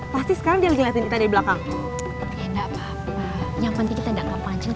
pasti sekarang dia lagi ngeliatin kita di belakang